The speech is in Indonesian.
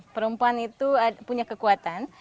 perempuan itu punya kekuatan